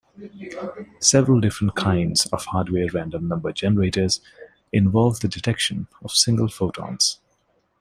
Several different kinds of hardware random number generators involve the detection of single photons.